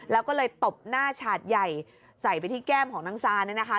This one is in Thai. แล้วก็เลยตบหน้าฉาดใหญ่ใส่ไปที่แก้มของนางซานเนี่ยนะคะ